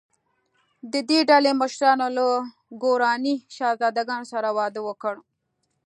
د دې ډلې مشرانو له ګوراني شهزادګانو سره واده وکړ.